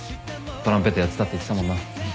トランペットやってたって言ってたもんな。